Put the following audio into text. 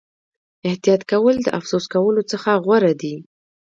احتیاط کول د افسوس کولو څخه غوره دي.